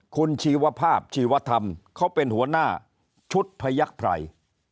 คุณชีวภาพชีวธรรมเขาเป็นหัวหน้าชุดพยักษ์ไพร